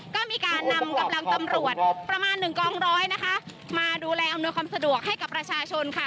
ก็มีการนำกับรังตำรวจประมาณ๑กล้องร้อยมาดูแลอำนวยความสะดวกให้กับประชาชน